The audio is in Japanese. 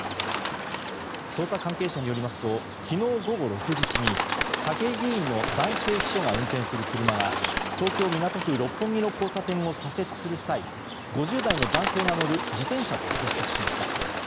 捜査関係者によりますと昨日、午後６時過ぎ武井議員の男性秘書が運転する車が東京・港区六本木の交差点を左折する際５０代の男性が乗る自転車と接触しました。